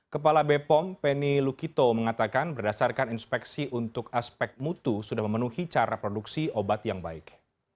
kepala bepom penny lukito mengatakan berdasarkan inspeksi untuk aspek mutu sudah memenuhi cara produksi obat yang baik